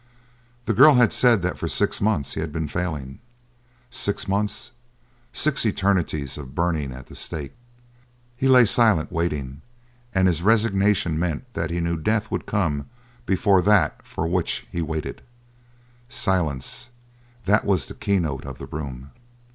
The girl had said that for six months he had been failing. Six months! Six eternities of burning at the stake! He lay silent, waiting; and his resignation meant that he knew death would come before that for which he waited. Silence, that was the key note of the room.